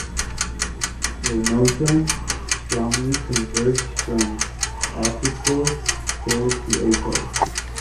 Pronotum strongly convergent from apical third to apex.